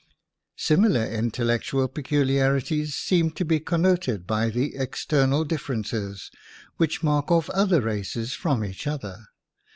Similar intellectual peculiarities seem to be connoted by the external dif ferences which mark off other races from each other.